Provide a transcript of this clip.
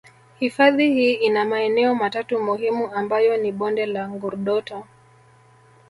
Hifadhi hii ina maeneo matatu muhimu ambayo ni bonde la Ngurdoto